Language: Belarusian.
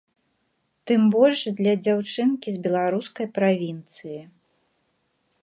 Тым больш для дзяўчынкі з беларускай правінцыі.